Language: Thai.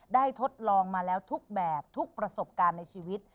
ทดลองมาแล้วทุกแบบทุกประสบการณ์ในชีวิต